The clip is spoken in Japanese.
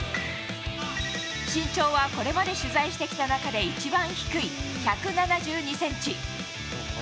身長はこれまで取材してきた中で一番低い１７２センチ。